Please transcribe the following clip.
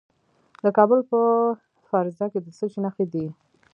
د کابل په فرزه کې د څه شي نښې دي؟